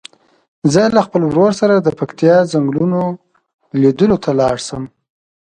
زه له خپل ورور سره د پکتیا څنګلونو لیدلو ته لاړ شم.